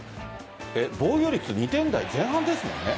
防御率、２点台前半ですもんね。